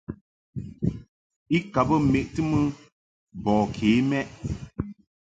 I ka bə meʼti mɨ bɔ ke mɛʼ.